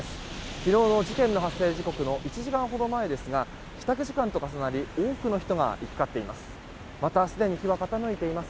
昨日の事件の発生時刻の１時間ほど前ですが帰宅時間と重なり多くの人が行き交っています。